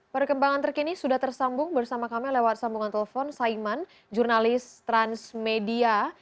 perkembangan terkini sudah tersambung bersama kami lewat sambungan telepon saiman jurnalis transmedia